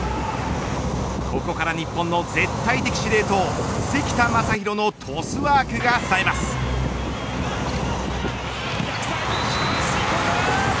ここから日本の絶対的司令塔関田誠大のトスワークが石川、吸い込んだ。